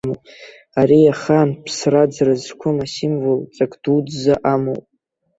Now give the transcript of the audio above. Ари ахаан ԥсра-ӡра зқәым асимвол ҵак дуӡӡа амоуп.